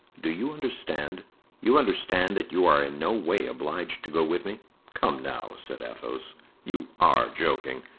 Do you understand? You understand that you are in no way obliged to go with me." "Come, now," said Athos, "you are joking."